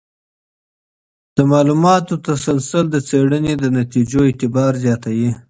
د معلوماتو تسلسل د څېړنې د نتیجو اعتبار زیاتوي.